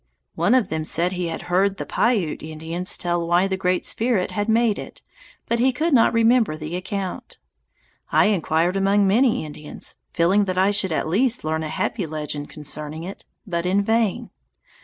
One of them said he had heard the Piute Indians tell why the Great Spirit had made it, but he could not remember the account. I inquired among many Indians, feeling that I should at last learn a happy legend concerning it, but in vain.